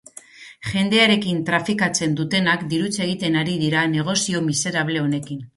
Jendearekin trafikatzen dutenak dirutza egiten ari dira negozio miserable honekin.